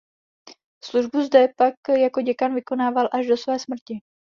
Službu zde pak jako děkan vykonával až do své smrti.